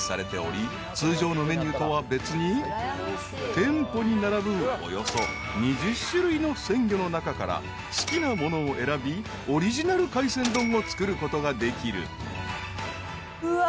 ［店舗に並ぶおよそ２０種類の鮮魚の中から好きなものを選びオリジナル海鮮丼を作ることができる］